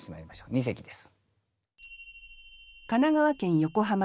二席です。